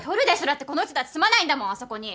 だってこの人たち住まないんだもんあそこに。